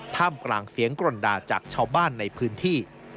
ท่ามกลางเสียงกรนด่าจากชาวบ้านในพื้นที่